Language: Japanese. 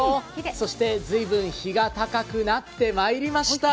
そして随分、日が高くなってまいりました。